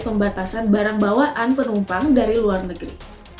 pembatasan barang bawaan penumpang dari luar negeri